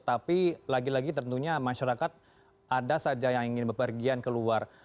tapi lagi lagi tentunya masyarakat ada saja yang ingin berpergian keluar